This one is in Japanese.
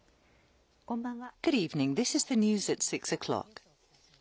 こんばんは。